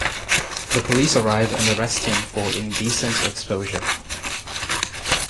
The police arrive and arrest him for indecent exposure.